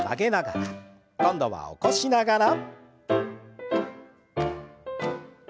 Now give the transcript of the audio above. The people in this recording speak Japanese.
今度は起こしながら。